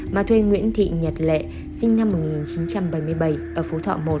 mà thuê nguyễn thị nhật lệ sinh năm một nghìn chín trăm bảy mươi bảy ở phú thọ một